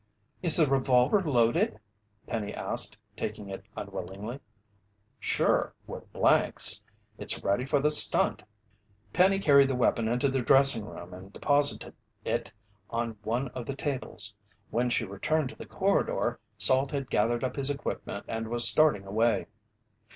"Is the revolver loaded?" Penny asked, taking it unwillingly. "Sure, with blanks. It's ready for the stunt." Penny carried the weapon into the dressing room and deposited it on one of the tables. When she returned to the corridor, Salt had gathered up his equipment and was starting away.